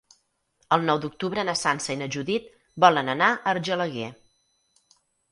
El nou d'octubre na Sança i na Judit volen anar a Argelaguer.